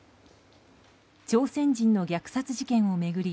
朝鮮人の虐殺事件を巡り